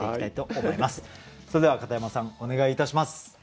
それでは片山さんお願いいたします。